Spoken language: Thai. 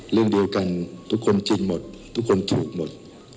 เรื่องเดียวกันทุกคนจริงหมดทุกคนถูกหมด